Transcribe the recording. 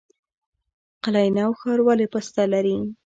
قلعه نو ښار ولې پسته لري؟